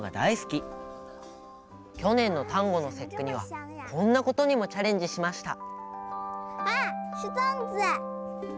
きょねんの端午の節句にはこんなことにもチャレンジしました。